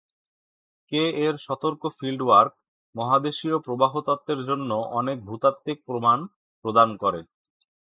কে-এর সতর্ক ফিল্ডওয়ার্ক মহাদেশীয় প্রবাহ তত্ত্বের জন্য অনেক ভূতাত্ত্বিক প্রমাণ প্রদান করে।